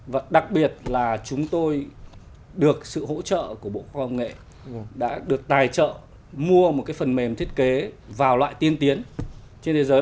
và đặc biệt là chúng tôi được sự hỗ trợ của bộ khoa công nghệ đã được tài trợ mua một phần mềm thiết kế vào loại tiên tiến trên thế giới